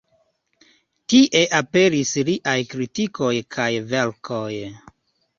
Tie aperis liaj kritikoj kaj verkoj.